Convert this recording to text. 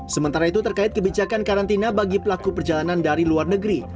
sementara itu terkait kebijakan karantina bagi pelaku perjalanan dari luar negeri